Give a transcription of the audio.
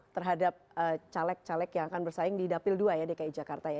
terhadap caleg caleg yang akan bersaing di dapil dua ya dki jakarta ya